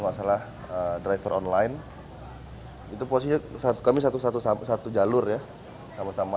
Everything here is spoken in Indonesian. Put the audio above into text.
masalah driver online itu posisi satu kami satu satu jalur ya sama sama